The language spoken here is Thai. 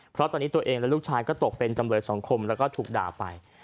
เพราะตอนนี้ตัวเองและลูกชายก็ตกเป็นจำเลยสังคมแล้วก็ถูกด่าไป